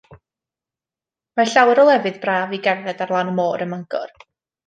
Mae llawer o lefydd braf i gerdded ar lan y môr ym Mangor.